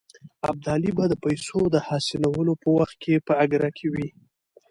ابدالي به د پیسو د حاصلولو په وخت کې په اګره کې وي.